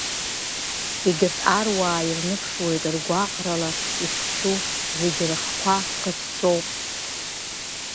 Егьырҭ аруаа ирныԥшуеит ргәаҟрала ишшьу, зегьы рыхқәа хыҵәҵәоуп.